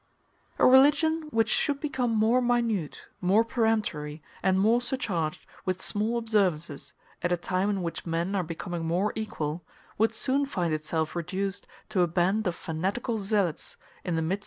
*a A religion which should become more minute, more peremptory, and more surcharged with small observances at a time in which men are becoming more equal, would soon find itself reduced to a band of fanatical zealots in the midst of an infidel people.